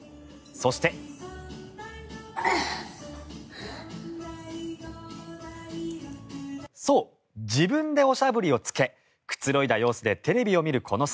そう、自分でおしゃぶりを着けくつろいだ様子でテレビを見るこの姿。